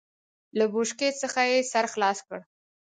له بوشکې څخه يې سر خلاص کړ.